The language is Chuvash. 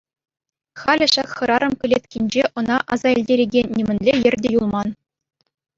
Халӗ ҫак хӗрарӑм кӗлеткинче ӑна аса илтерекен нимӗнле йӗр те юлман.